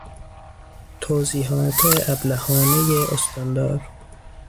توضیحات ابلهانهی استاندار